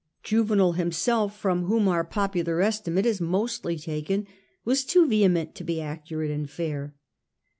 Juvenal himself, from whom our vc^erMntto pop^lar estimate is mostly taken, was too be fair. vehement to be accurate and fair.